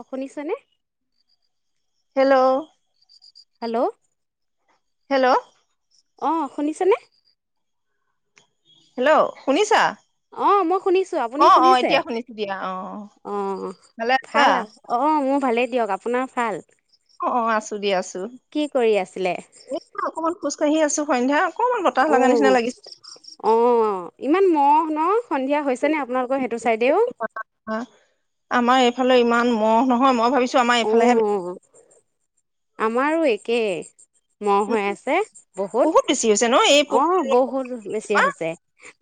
অ শুনিছ নে? Hello hello hello অ শুনিছেনে? হেল্ল' শুনিছা? অ মই শুনিছো আপুনি অ অ শুনিছে এতিয়া শুনিছো দিয়া অ অ ভালে আছা ভাল আৰু অ মোৰ ভালেই দিয়ক আপোনাৰ ভাল অ অ আছো দ আছো কি কৰি আছিলে এই অকমান খোজ কাঢ়ি আছো। সন্ধ্যা অকমান বতাহ অ লগা নিচিনা লাগিছে অ ইমান অ ন সন্ধিয়া হৈছে নে আপোনালোকৰ সেইটো চাইদেও আমাৰ এইফালে ইমান মহ নহয় মই ভাবিছো আমাৰ অ এইফালেহে অ আমাৰো একে মহ উম হৈ আছে বহুত বেছি হৈছে ন এই পোক অ বহুত বেছি পৰুৱা। হৈছে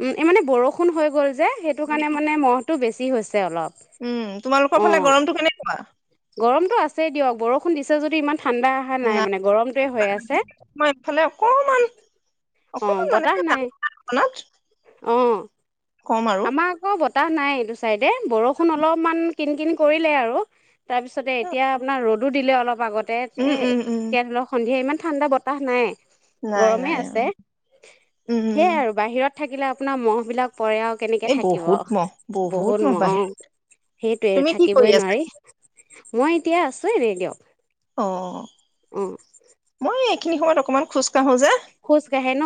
উম এই মানে বৰষুণ হৈ গ'ল যে সেইটো কাৰণে মানে মহ টো বেছি। কি হৈছে? অলপ উম তোমালোকৰ ফালে গৰমটো কেনেকুৱা? গৰমতটো আছেই দিয়ক বৰষুণ দিছে যদি ইমান, ঠাণ্ডা অহা নাই মানে গৰমটোৱে হৈ আছে মই ইফালে অকমান অঁ অকমান বতাহ নাই মানেত অঁ আমাৰ আকৌ ব বতাহ নাই এইটো চাইডে বৰষুণ অলপমান কিন কিন কৰিলে আৰু, তাৰপিছতে এতিয়া আপোনাৰ ৰ'দত দিলে অলপ আগত ত উম এ উম উম এতিয়া ধৰি লওক সন্ধিয়া ইমান ঠাণ্ডা বতাহ নাই নাই গৰমে নাই আছে উম উম সেয়াই আৰু বাহিৰত থাকিলে আপোনাৰ মহ বিলাক পৰে কেনেকে এই থাকিব বহুত মহ বহুত মহ বাহিৰত সেইটোৱে তুমি কি কৰি থাকিবই আছা নোৱাৰি। মই এতিয়া আছোৱে এনে দিয়ক, অ অঁ মই সিনি সময় অকণমান খোজ কাঢ়ো যে খোজ কাঢ়ে ন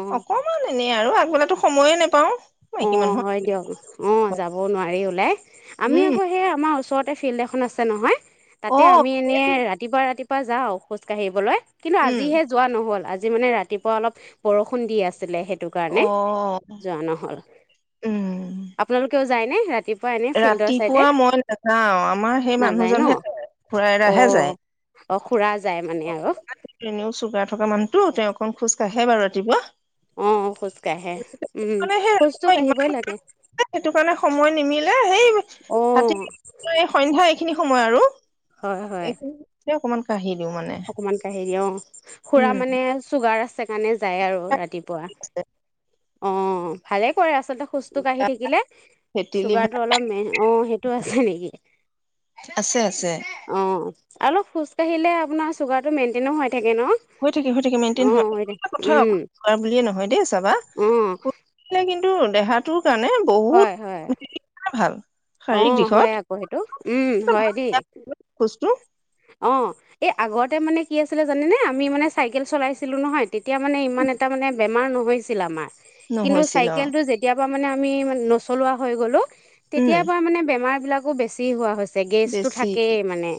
অঁ অকমান এনে আৰু আগবেলা, সময়ে নাপাওঁ অ হয় দিয়ক অ যাব নোৱাৰি ওলাই আমি উম আকৌ সেই আমাৰ ওচৰত তাতে ফিল্ড এখন আছে নহয় অ তাতে আমি এনে ৰাতিপুৱা ৰাতিপুৱ ত পৰাা যাওঁ খোজ কাঢ়িবলৈ কিন্তু উম আজিহে যোৱা নহল আজি আ যি মানে ৰাতিপুৱা অলপ বৰষুণ দি আছিলে সেই সেইটো অ কাৰণে যোৱা নহ'ল উম আপোনালোকে যায় নে ৰাতিপ ৰাতিপুৱা মই নাযাও আমাৰ সেই নাযায় ন মানুহজনহে ঘুৰাই এৰাহে যায় অ' অ' খুৰা যায় মানে আৰু এনেও চুগা থকা মানুহতটো তেওঁ অকণ খোজ কঢ়ে বাৰু ৰাতিপুৱা অ খোজ কাঢ়ে উম মানে সেই খোজ ৰাতিপুৱা ইমান কাঢ়িবই লাগে এ সেই হাতী অ' সন্ধা এইখিনি সময় আৰু হয় হয় এইখিনি অকমান [unintelligible] অকমান কাহেৰি অ খুৰা উম মানে চুগাৰ আছে আছে কাৰণে যায় আৰু ৰাতি ৰাতিপুৱা আছে অ ভালে কৰে আছে আচলতে খোজ কাঢ়ি থাকিলে ভেটেলি ভাত চুগাৰটো অলপ ম অ সেইটো আছে নেকি আছে আছে অ অলপ খোজ কাঢ়িলে আপোনাৰ চুগাৰটো মেইনটেইনো হয় হৈ থাকে হৈ থাকে মেইনটেইন থাকে কথা উম বুলিয়ে নহয় দেই বাবা অ [unintelligible] টো দেহাটো কাৰণে বহুত হয় হয় ভাল অ শাৰীৰিক দিশত হয় আকৌ সেইটো উম হয় দেই খোজটো অঁ এই আগতে মানে কি আছিলে জানেনে আমি মানে চাইকেল চলাইছিলোঁ নহয় তেতিয়া মানে ইমান এটা মানে বেমাৰ নহৈছিল আমাৰ কিন্তু নহৈছিল অ চাইকেল টো যেতিয়া মানে আমি নচলোৱা হৈ গ'লো। উম তেতিয়াৰ পৰা মানে বেমাৰ বিলাকো বেছি হোৱা হৈছে। গেছটো বেছি থাকেই মানে।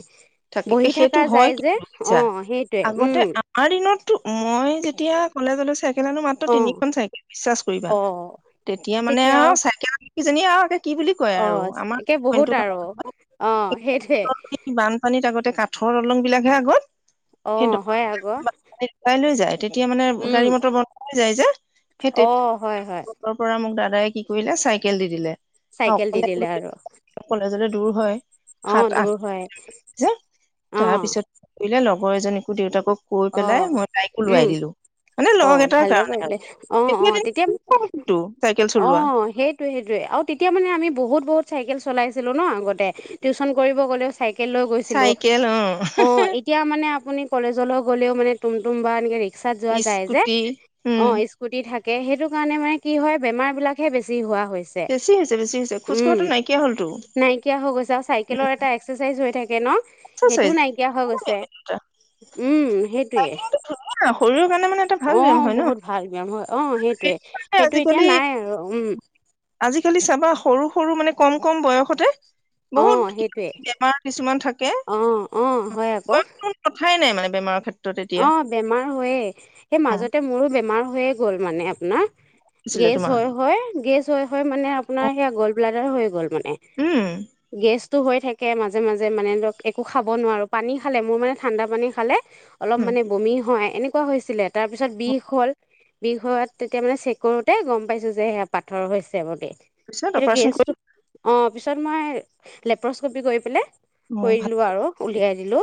থাকে, বহি সেইটো থকা হয় যায় যে কিন্তু, অ [unintelligible] সেইটোৱে আগতে উম আমাৰ দিনতটো, মই যেতিয়া কলেজলৈ চাই [unintelligible] মাত্ৰ অ তিনিখন চাইকেল, বিশ্বাস [unintelligible] কৰিবা, অ তেতিয়া মানে তেতিয়াও আৰু চাইকেল কিজানি আৰু [unintelligible] আৰু অ' আমাৰ একে অইনটো বহুত আৰু। অ' সেইটোৱে। বানপানীত আগতে কাঠৰ দলঙবিলাকহে আগত। অ সেই হয় আকৌ [unintelligible] ওলাই লৈ যায়, তেতিয়া মানে উম গাড়ী-মটৰ বন্ধ হৈ যায় যে, সেই অ হয় হয় [unintelligible] কি কৰিলে, চাইকেল দি দিলে। চাইকেল দি অকলে দিলে আৰু কলেজলে দূৰ হয়। সাত অ' আঠ দূৰ হয়। যে, অ তাৰপিছত এ লগৰ এজনীকো দেউতাকক কৈ অ পেলাই, মই তাইকো উম লোৱাই দিলো। মানে অ' লগ এটাৰ ভালে কাৰণে আৰু কৰিলে। অ' অ' তেতিয়া, দিনটো চাইকেল অ' চলোৱা সেইটোৱে, সেইটোৱে। আৰু তেতিয়া মানে আমি বহুত-বহুত চাইকেল চলাইছিলো ন আগতে? টিউচন কৰিব গ'লেও চাই কেল লৈ গৈছিলো, চাইকেল অ অ' এতিয়া মানে আপুনি কলেজলৈ গ'লেও মানে তুম-তুম বা এনেকে ৰিক্স যায় যে, স্কুটি উম অ' স্কুটি থাক কে সেইটো কাৰণে মানে কি হয়, বেমাৰবিলাকহে বেছি হোৱা হৈছে। বেছি হৈছে বেছি হৈছে খোজ উম, কঢ়াটো নাইকিয়া হলতো নাইকিয়া হৈ গৈছে আৰু উম চাইকেলৰ এটা এক্সাৰচাইজ হৈ থাকে। কেন' সেইটোও এক্সাৰচাইজ নাইকিয়া হৈ গৈছে। উম সেইটোৱে। চাইকেলটো ধুনীয়া শৰীৰৰ কাৰণে মানে এটা ভাল ব্যায়াম অ' হয় ন বহুত ভাল ব্যায়াম হয়। অ' সেইটোৱে, মানে সেইটো এতিয়া আজিকালি নাই আৰু উম। আজিকালি চাবা, সৰু-সৰু মানে কম-কম বয়সতে। অ', বহুত সেইটোৱে বেমাৰ কিছুমান থাকে। অ', অ', হয় আকৌ [unintelligible] কথাই নাই মানে। বেমাৰ অ বেমাৰ হয়ে সেই উম, মাজতে মোৰো বেমাৰ। হৈয়ে গ'ল মানে আপোনাৰ। আছিলে গেছ তোমাৰ হয় হয় গেছ। হয় মানে আপোনাৰ সেই আগল। ব্লডাৰ হৈ গ'ল মানে। উম গেছ হৈ থাকে মাজে মাজে মানে ধৰক একো খাব নোৱাৰো পানী খালে মোৰ মানে ঠাণ্ডা পানী খালে অলপ উম, মানে বমি হয় এনেকুৱা হৈছিলে তাৰপিছত বিষ হ'ল বিষ হোৱাত তেতিয়া মানে চেক কৰোঁতে গম পাইছোঁ যে সেয়া পাথৰ হৈছে ম দেই তাৰপিছত এ অপাৰেচন কৰি গেছটোো অ। তাৰপিছত মই লেপ্ৰস্কপি গৈ পেলাই। অ, কৰি ভাল দিলো আৰু উলিয়াই দিলো। হিলো।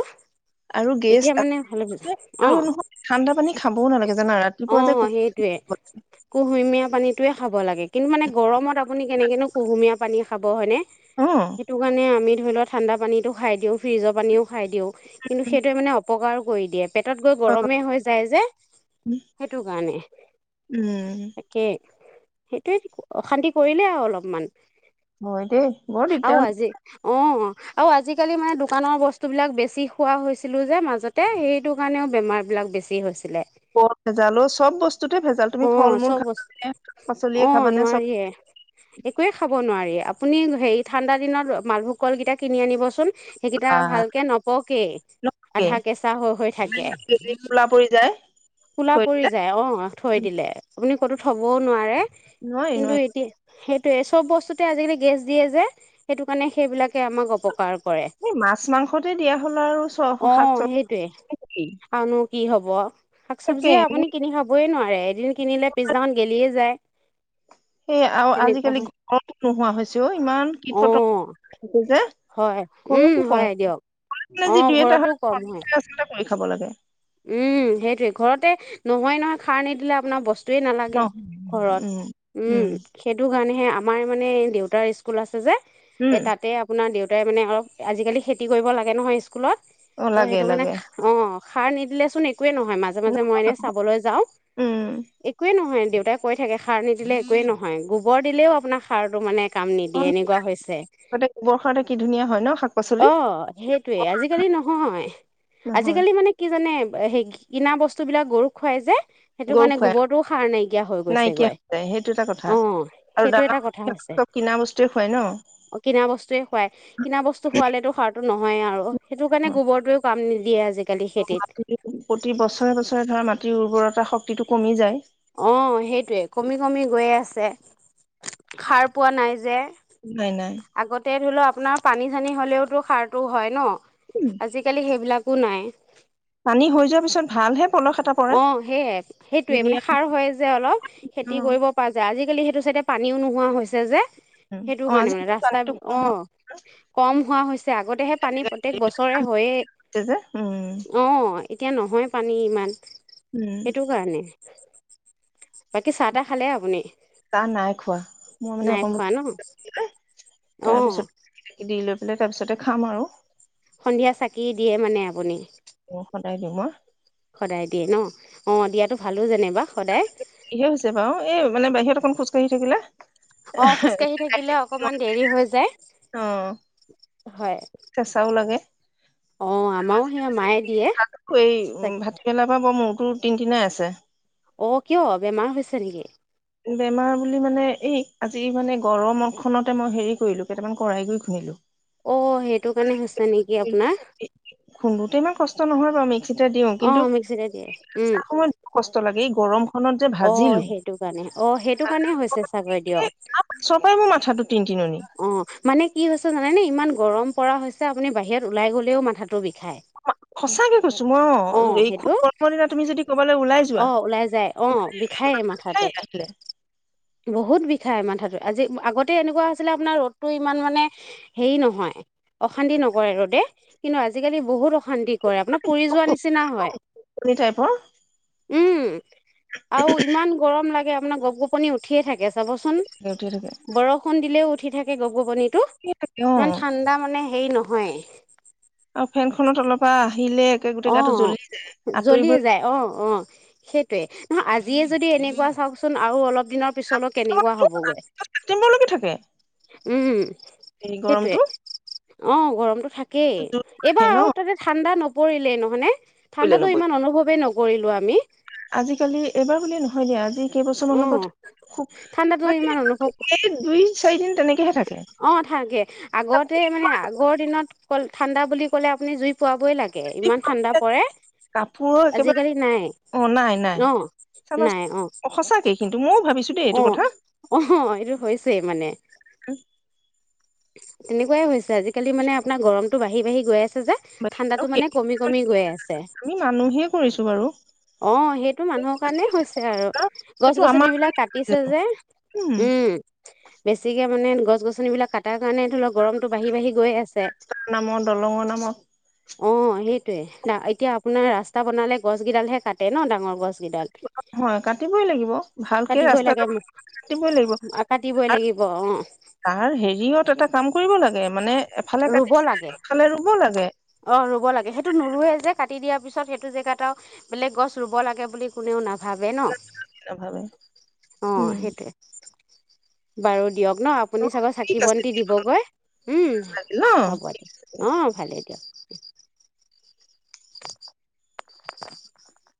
আৰু গেছ আৰু অঁ নহয় ঠাণ্ডা পানী খাবও নালাগে জানা ৰাতিপুৱা অঁ যে টোৱে খাব লাগে কিন্তু মানে গৰমত আপুনি কেনেকেনো কুহুমীয়া পানী খাব হয় নে সেইটো কাৰণে আমি ধৰি লোৱা ঠাণ্া পানীটো খাই দি ফ্ৰীজৰ পানীও খাই দিওঁ। কিন্তু সেইটোোৱে মানে অপকাৰ কৰি দিয়ে পেটত গৈ অ, গৰমে হৈ যায় যে সেইটো কাৰণে উম তাকেই। সেইটোোৱে অশান্তি কৰিলে আৰু অলপমান। হয় তে বহত আৰু ঠিকঠাক। আজি অ আৰু আজিকালি মানে দোকানৰ বস্তু বিলাক বেছি খোৱা হৈছিলো যে মাজতে। তে সেইটো কাৰণেও বেমাৰ বিলাক বেছি হৈছিলে। অ ভেজাল অ চব বস্তুতে ভেজাল তুমি অ ফল মূল চব খাবা বস্তু নে শাক অ পাচলিয়ে খাবানে চব। নোৱাৰিয়ে খাব নোৱাৰি আপুনি হেৰি ঠাণ্ডা দিন মালভোগ কলকেইটা কিনি আনিব চচোন। সেইকেইটা আহ, ভালকে নপকে নহয়েই। আধা। কেঁচা হৈ হৈ থাকে। ক'লা পৰি যায় কলা থৈ পৰি দিলে যায় অ থৈ দিলে। আপুনি ক'তো থ'বও নোৱাৰে। নোৱাৰি কিন্তু নোৱাৰি এতিয়া সেই তে চব বস্তুতে আজিকালি গেছ দিয়ে যে সেইটো কাৰণে সেইবিলা কে আমাক অপকাৰ কৰে এই মাছ মাংসতে দিয়া হ'ল আৰু চ অ শাক সেইটোৱে চবজি আৰুন কি হ'ব শাক তাকে চব্জিয়ে আপুনি কিনি খাবই নোৱা ৰে এদিন কিনিলে পিছদিনাখন গেলিয়ে যায় সেই আও তেনেকুৱা আজিকালি হয় গৰমতো নোহোৱা হৈছে অ ইমান অ কীট পতংগ হৈছে যে হয় উম ঘৰতো কম হয় দিয়ক অ ঘৰতো কম হয় পুই খাব লাগে উম সেইটোয়ে ঘৰতে নহয় নহয় খাৰ নিদিলে আপোনাৰ ব স্তুৱে ন নালাগে উম ঘৰত উম সেইটো কাৰণে হে আমাৰ মানে দেউতাৰ স্কুল আছে যে উম এ তাতে আপোনাৰ দেউ তাই মানে অলপ আজিকালি খেতি কৰিব লাগে নহয় স্কুলত অ ত' লাগে সেইটো মানে লাগে অ খাৰ নিদিলে চোন এ কোৱে নহয় মাজে মাজে মই এনে চাবলৈ যাওঁ উম একোৱে নহয় দেউতাই কৈ থাকে সাৰ নিদিলে একোৱেই নহয় গোবৰ দিলেও আপোনাৰ সাৰটো মানে কাম অ নিদিয়ে এনেকোৱা হৈছে আগতে গোবৰ সাৰতে কি ধুনীয়া হয় ন শাক অ পাচলি সেইটোৱে আজিকালি নহয় নহয় আজিকালি মানে মানে সেই কিনা বস্তুবিলাক গৰুক খুৱাই যে সেইটো গৰু কাৰণে খুৱাই গোবৰটোও সাৰ নাইকিয়া হৈ গৈছে নাইকিয়া গৈ হৈ যায় সেইটো এটা কথা অ আৰু সেইটো দানা এটা কথা হৈছে চব কিনা বস্তুৱে খুৱাই ন অ কিনা বস্তুৱে খোৱাই কিনা বস্তু খোৱালেতো সাৰ তো নহয়েই আৰু সেইটো কাৰণ গোবৰটোৱে কাম নিদি য়ে আজিকালি খেতিত মাটি প্ৰতি বছৰে বছৰে ধৰা মাটিৰ উৰ্বৰ তা শক্তিটো কমি যায় অ সেইটোৱে য়ে কমি কমি গৈ আছে খাৰ পোৱা নাই যে নাই নাই। আগতে ধৰি লোৱা আপোনাৰ পানী চানী হ'লেওতো সাৰটো হয় ন আজিকালি সেইবিলাক তো নাই পানী হৈ যোৱাৰ পিছত ভাল হে অ সেইয়ে সেইটোৱে মানে সাৰ হয় যে অলপ খেতি অ', কৰিব পৰা যায় আজিকালি সেই এইটো চাইডে পানীও নোহোৱা হৈছে যে সেইটো অ', কাৰণে মানে আজিকালি ৰাস্তা পানীটো কম আহ কম হোৱা হৈছে আগতেহে পানী প্ৰতয়েক বছৰে হয়য়েই হৈছে যে উম। অ। এতিয়া নহয় পানী ইমান। উম। সেইটো কাৰণে বাকী চাহ তাহ খালে আপুনি? চাহ নাই খোৱা। মই মানে নাই অকণ খোৱা ন [inaudible] অ তাৰপিছত দি লৈ ব তাৰপিছতে খাম আৰু। সন্ধিয়া চাকি দিয়ে মানে আপুনি? [unintelligible] সদায় দিয়ে ন? অ দিয়াতো ভালো যেনিবা সদায়। ইহে হৈছে বাও। এই মানে বাহিৰত অকণ খোজকাঢ়ি থাকিলে। অ খোজকাাঢ়ি থাকিলে অকমান দেৰি হৈ যায়। অ', হয় কেঁচাও লাগে আহ আমাৰো সেই মায়ে দিয়ে। মোৰ তিন টিনাই আছে। অঁ কিয় বেমাৰ হৈছে নেকি? বেমাৰ বুলি মানে এই আজি মানে গৰমৰ ফোনতে মই হেৰি কৰিলো কেইটামান কৰাই গু খুন্দিলোঁ। অ সেইটো কাৰণে হৈছে নেকি আপোনাৰ [inaudible] খুন্দোতে ইমান কষ্ট নহয় বাৰু মিক্সিটা দিওঁ অ কিন্তু মিক্সিতে দিয়ে উম সময়ত কষ্ট লাগে। গৰম। খনত যে অ ভাজিলো সেইটো কাৰণে অ সেইটো তাৰ কাৰণে হৈছে চাগৈ দিয়ক? পাছৰ পৰাই মোৰ মাথাটো টিন টিননি অ মানে কি হৈছে জানে নে ইমান গৰম। গৰম পৰা হৈছে আপুনি বাহিৰত ওলাই গ'লেও মাথাটো বিষ। সঁচাকে কৈছো অ, মই অ এই খুব সেইটো গৰমৰদিনা তুমি যদি কবাল ওলাই যোৱা অ [inaudible] ওলাই যায় অ বিষায়ে মাথাটো বিষাই মাথাটো আজি আগতে এনেকুৱা আপুনাৰ ৰদটো ইমান মানে হেই নহয় অশান্তি নকৰে ৰ'ডে। কিন্তু আজি কালি বহুত শান্তি কৰে আপোনাৰ পুৰি যোৱা নিচিনা হয়। কণী টাইপৰ উম। আৰু ইমান গৰম লাগে। মানে গপ গপনি উঠিয়ে থাকে। যাবচোন উঠি থাকে বৰষুণ উঠি থাকে গপ গবনিত টো থাকে অ ইমান ঠাণ্ডা মানে সেই নহয় অ ফেনখনত অলপ আহ অ'! আঁতৰিবই জ্বলিয়ে যায়। অ'! অ'! সেইটোৱে। নহয়। আজিয়ে যদি, এনেকুৱা চাওঁকচোন আৰু অলপ দিনৰ পিছলৈ কেনেকুৱা হ'বগৈ। ছেপ্টেম্বৰলৈকে থাকে উম! এই সেইটোৱে গৰমটো অ'! গৰমটো থাকেই। জুন আহে এইবাৰ ন আৰু তাতে ঠাণ্ডা ন পৰিলেই নহয়নে? পৰিলে ঠাণ্ডাটো নপৰিলে ইমান অনুভৱে নক কৰিলোঁ আমি। আজিকালি এইবাৰ বুলিয়ে নহয় দিয়া। আজি, কেইবছৰ অ মানৰ পৰা ঠাণ্ডাতো ইমান অনুভৱ [unintelligible] থাকে অ'! থাকে। আগতে মানে, আগৰ দিনত কল ঠাণ্ডা বুলি ক'লে আপুনি জুই পুৰাবই লাগে। [unintelligible] ইমান ঠাণ্ডা পৰে। কাপোৰৰ একেবাৰে আজিকালি নাই। অ নাই নাই অ'! নাই চাবাচোন অ'! সঁচাকে কিন্তু ময়ও ভাবিছো দেই এইটো অ'! কথা অ'! এইটো হৈছেই মানে। উম! তেনেকুৱাই হৈছে। আজিকালি মানে, আপোনাৰ গৰমতটো বাঢ়ি বাঢ়ি গৈ আছে। যে ঠাণ্ডাতটো সেইটো মানে, কমি কমি গৈ আছে। আমি মানুহে কৰিছো বাৰু অ'! সেইটো মানুহৰ কাৰণেই হৈছে আৰু গছ সেইটো গছনি আমাৰ বিলাক কাটিছে যে, উম, বেছিকে মানে, গছ গছন বিলাক কাটাৰ কাৰণে, এইটো ধৰি ল' গৰমতটো বাঢ়ি বাঢ়ি গৈ আছে। নামৰ দলঙৰ নামত অ'! সেইটৱে, এতিয়া আপোনাৰ ৰাস্তা বনালে গছ গেইডালহে কাটে ন' ডাঙৰ গছ হয়। কাটিবই লাগিব, ভালকে কাটিবই ৰাস্তা লাগে কাটিবই লাগিব কাটিবই লাগিব অ তাৰ হেৰিয়ত এ, টা কাম কৰিব লাগে। মানে এফালে ৰুব কাটিছে লাগে আনফালে ৰুব লাগে অ'! ৰুব লাগে। সেইটো নোৰোৱে যে, কাটি দিয়া পিছত। সেইটো জেগাত আও বেলেগ গছ ৰুব লাগে বুলি কোনেও নাজ ভালে ন'? নাভাবে অ'! উম সেইটোৱে। বাৰু দিয়ক। ন' আপুনি চাগৈ চাকি ঠিক আছে বন্তি দিবগৈ। উম! ন হ'ব দিয়া। অ'! ভালে দিয়া! [unintelligible]